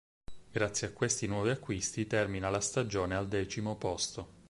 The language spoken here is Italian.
Grazie a questi nuovi acquisti termina la stagione al decimo posto.